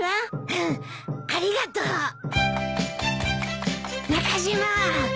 うんありがとう。中島。